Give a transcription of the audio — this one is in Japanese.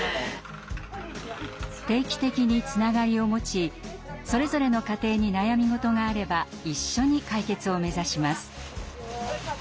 定期的につながりを持ちそれぞれの家庭に悩み事があれば一緒に解決を目指します。